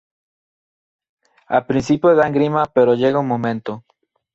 al principio dan grima pero llega un momento